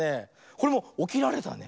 これもおきられたね。